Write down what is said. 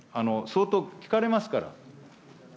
相当聞かれますから。